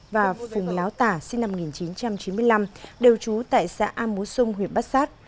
và phùng láo tả sinh năm một nghìn chín trăm chín mươi năm đều trú tại xã am mú xung huyện bát sát